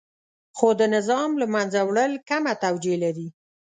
خو د نظام له منځه وړل کمه توجیه لري.